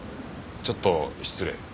ちょっと失礼。